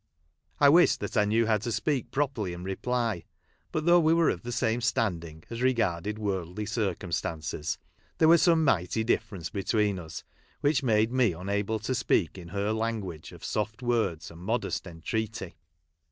I wished that I knew how to speak properly in reply ; but though we were of the same standing as regarded worldly circumstances, there was some mighty difference between us, which made me unable to speak in her language of soft words and modest entreaty.